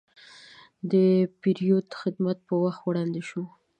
د پیرود خدمت په وخت وړاندې شو.